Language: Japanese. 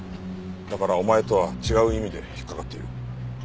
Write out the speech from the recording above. だからお前とは違う意味で引っかかっている。